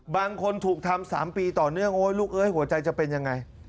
บางคนถูกทำ๓ปีต่อเนื่องโอ๊ยลูกเอ้ยหัวใจจะเป็นยังไง